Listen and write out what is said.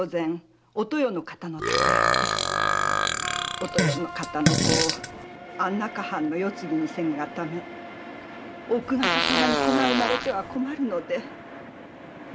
お豊の方の子を安中藩の世継ぎにせんがため奥方様に子が生まれては困るので亡き者にしようと。